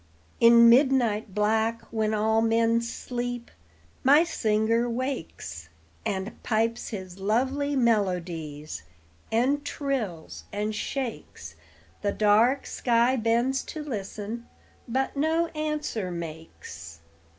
In midnight black, when all men sleep, My singer wakes, And pipes his lovely melodies, And trills and shakes. The dark sky bends to listen, but No answer makes.